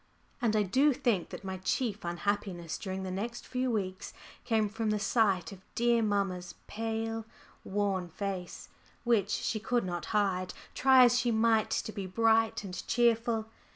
And I do think that my chief unhappiness during the next few weeks came from the sight of dear mamma's pale, worn face, which she could not hide, try as she might to be bright and cheerful.